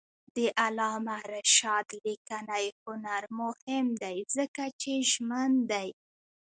د علامه رشاد لیکنی هنر مهم دی ځکه چې ژمن دی.